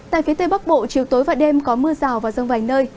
tại phía tây bắc bộ chiều tối và đêm có mưa rào và rông vài nơi